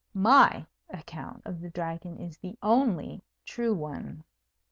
My account of the Dragon is the only true one.